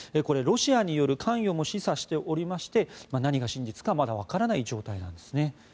これ、ロシアによる関与も示唆していまして何が真実かまだわからない状態なんですね。